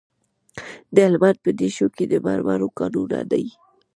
د هلمند په دیشو کې د مرمرو کانونه دي.